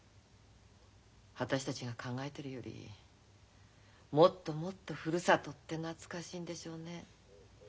私たちが考えてるよりもっともっとふるさとって懐かしいんでしょうね。